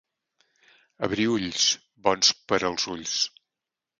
Abriülls, bons per als ulls.